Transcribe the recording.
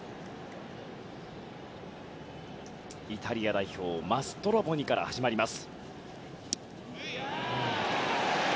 イタリア代表マストロボニから始まります。